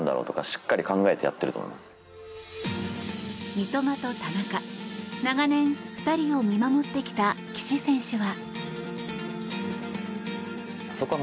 三笘と田中長年、２人を見守ってきた岸選手は。